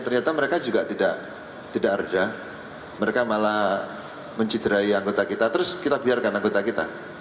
ternyata mereka juga tidak reda mereka malah menciderai anggota kita terus kita biarkan anggota kita